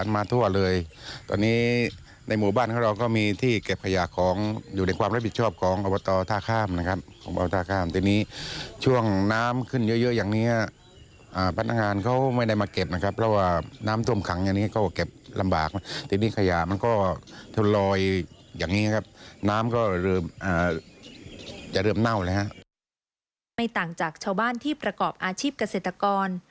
ไม่ต่างจากชาวบ้านที่ประกอบอาชีพเกษตรกร